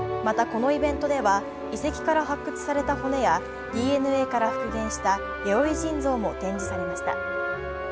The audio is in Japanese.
また、このイベントでは遺跡から発掘された骨やＤＮＡから復元した弥生人像も展示されました。